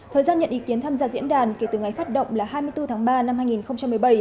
thời gian nhận ý kiến tham gia diễn đàn kể từ ngày phát động là hai mươi bốn tháng ba năm hai nghìn một mươi bảy